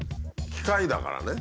機械だからね。